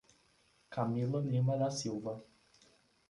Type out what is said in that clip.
Camila Lima da Silva